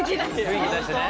雰囲気出してね。